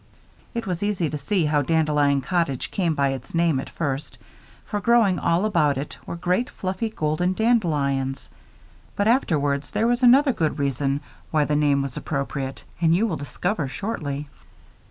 It was easy to see how Dandelion Cottage came by its name at first, for growing all about it were great, fluffy, golden dandelions; but afterwards there was another good reason why the name was appropriate, as you will discover shortly.